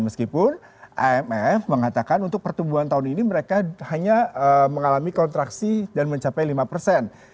meskipun amf mengatakan untuk pertumbuhan tahun ini mereka hanya mengalami kontraksi dan mencapai lima persen